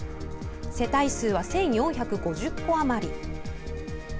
世帯数は１４５０戸あまり。